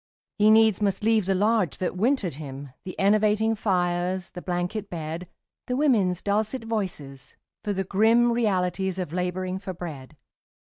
He needs must leave the lodge that wintered him, The enervating fires, the blanket bed The women's dulcet voices, for the grim Realities of labouring for bread.